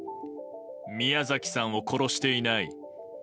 宮崎さんを殺していない。